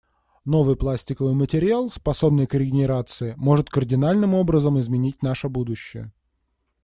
Новый пластиковый материал, способный к регенерации, может кардинальным образом изменить наше будущее.